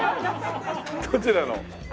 どちらの？